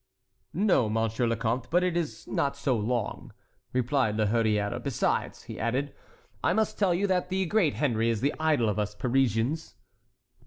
"No, Monsieur le Comte, but it is not so long," replied La Hurière; "besides," he added, "I must tell you that the great Henry is the idol of us Parisians."